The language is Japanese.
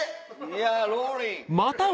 いやローリング。